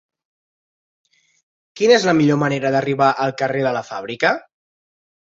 Quina és la millor manera d'arribar al carrer de la Fàbrica?